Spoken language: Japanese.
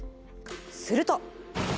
すると。